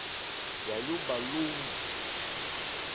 Yayó bha ló wu.